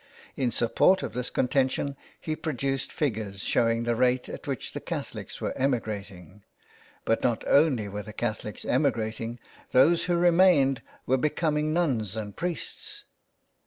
In support of this contention he produced figures showing the rate at which the Catholics were emigrating. But not only were the Catholics emigrating — those who re mained were becoming nuns and priests.